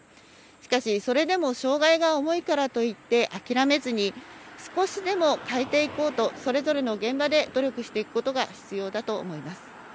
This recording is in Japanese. しかし、それでも障害が重いからといって諦めずに、少しでも変えていこうと、それぞれの現場で努力していくことが必要だと思います。